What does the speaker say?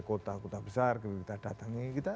kota kota besar kami datangnya kita